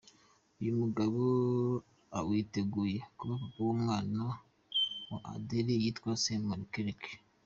Uyu mugabo uwiteguye kuba papa w’umwana wa Adele, yitwa Simon Konecki.